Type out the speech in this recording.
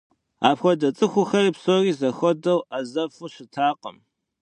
Апхуэдэ цӏыхухэри псори зэхуэдэу ӏэзэфу щытакъым.